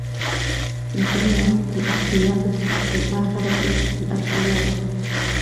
فِي الدُّنْيَا الْأَسْخِيَاءُ وَفِي الْآخِرَةِ الْأَتْقِيَاءُ